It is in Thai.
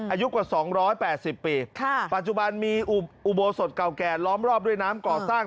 อายุกว่าสองร้อยแปดสิบปีค่ะปัจจุบันมีอุโบสดเก่าแก่ล้อมรอบด้วยน้ำก่อตั้ง